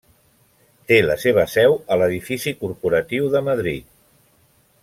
Té la seva seu a l'edifici corporatiu de Madrid.